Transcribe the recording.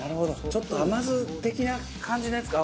ちょっと甘酢的な感じのやつか。